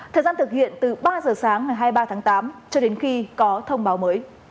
thời gian thực hiện từ ba giờ sáng ngày hai mươi ba tháng tám cho đến khi có thông báo mới